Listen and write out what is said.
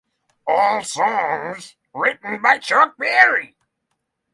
All songs written by Chuck Berry.